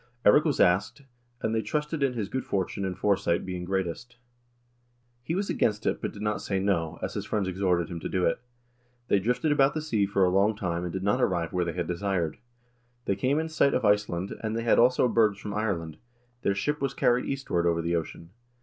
"Eirik was asked, and they trusted in his good fortune and fore sight being greatest. He was against it, but did not say no, as his friends exhorted him to do it. ... They drifted about the sea for a long time and did not arrive where they had desired. They came in sight of Iceland, and they had also birds from Ireland ; their ship was carried eastward over the ocean.